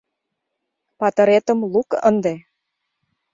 Патыретым лук ынде.